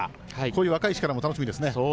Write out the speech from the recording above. こういう若い力も楽しみですね。